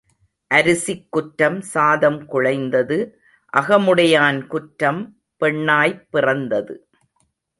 அரிசிக் குற்றம் சாதம் குழைந்தது அகமுடையான் குற்றம் பெண்ணாய்ப் பிறந்தது.